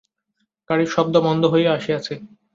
গাড়ির শব্দ মন্দ হইয়া আসিয়াছে।